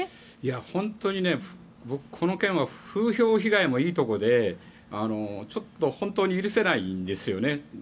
本当に僕、この件は風評被害もいいところで本当に許せないんです。